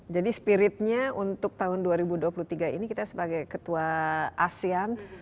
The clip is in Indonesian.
jadi spiritnya untuk tahun dua ribu dua puluh tiga ini kita sebagai ketua asean